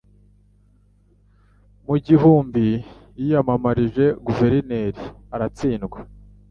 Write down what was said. Mu gihumbi, yiyamamarije guverineri, aratsindwa.